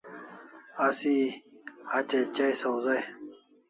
Asi hatya chai sawzai